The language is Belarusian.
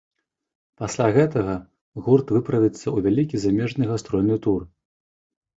Пасля гэтага гурт выправіцца ў вялікі замежны гастрольны тур.